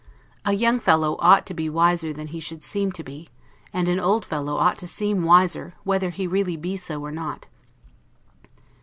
A young fellow ought to be wiser than he should seem to be; and an old fellow ought to seem wise whether he really' be so or not.